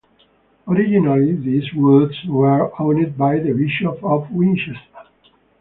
Originally these woods were owned by the Bishop of Winchester.